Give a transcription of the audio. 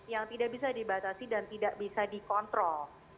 yang tidak bisa dibatasi dan tidak bisa dikontrol